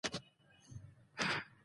راتلونکې میاشت